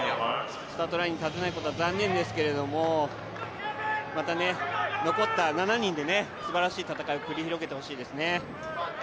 スタートラインに立てないことは残念ですけれども、また残った７人ですばらしい戦いを繰り広げてほしいですね。